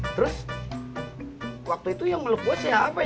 terus waktu itu yang ngeluk gue siapa ya